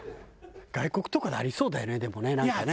外国とかでありそうだよねでもねなんかね。